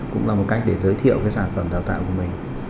cũng là một cách để giới thiệu cái sản phẩm đào tạo của mình